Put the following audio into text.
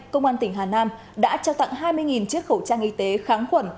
công an tỉnh hà nam đã trao tặng hai mươi chiếc khẩu trang y tế kháng khuẩn